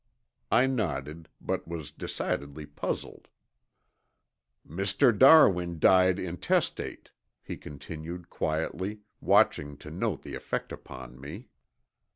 I nodded, but was decidedly puzzled. "Mr. Darwin died intestate," he continued quietly, watching to note the effect upon me.